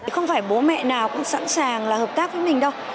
không phải bố mẹ nào cũng sẵn sàng là hợp tác với mình đâu